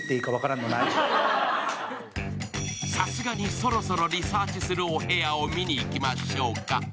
さすがにそろそろリサーチするお部屋を見に行きましょうか。